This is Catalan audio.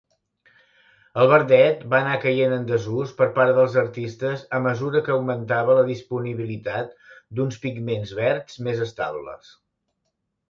El verdet va anar caient en desús per part dels artistes a mesura que augmentava la disponibilitat d'uns pigments verds més estables.